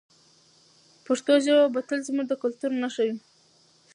پښتو ژبه به تل زموږ د کلتور نښه وي.